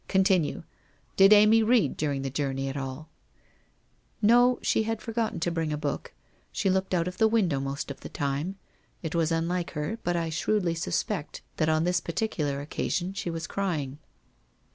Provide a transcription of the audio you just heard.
Continue. Did Amy read during the journey at all ?'' No. She had forgotten to bring a book. She looked WHITE ROSE OF WEARY LEAF 383 out of the window most of the time. It was unlike her, but I shrewdly suspect that on this particular occasion she was crying.'